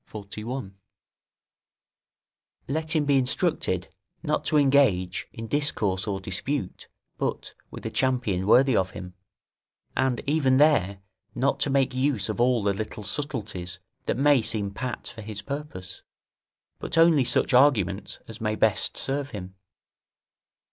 41.] Let him be instructed not to engage in discourse or dispute but with a champion worthy of him, and, even there, not to make use of all the little subtleties that may seem pat for his purpose, but only such arguments as may best serve him.